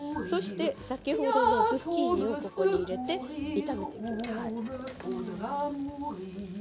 先ほどのズッキーニを入れて炒めていきます。